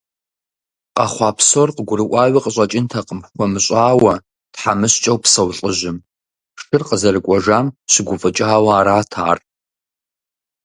Къэхъуа псор къыгурыӏуауи къыщӏэкӏынтэкъым хуэмыщӏауэ, тхьэмыщкӏэу псэу лӏыжьым, шыр къызэрыкӏуэжам щыгуфӏыкӏауэ арат ар.